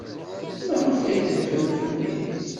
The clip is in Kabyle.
Maɣef ay terfam fell-i?